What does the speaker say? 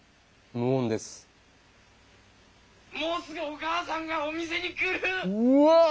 もうすぐお母さんがお店に来る！